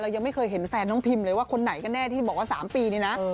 ยังไม่เคยเห็นแฟนน้องพิมเลยว่าคนไหนก็แน่ที่บอกว่า๓ปีนี่นะ